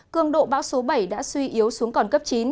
cường độ bão số bảy đã suy yếu xuống còn cấp chín